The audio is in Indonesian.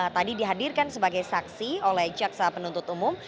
tadi dihadirkan sebagai saksi oleh jaksa penuntut umum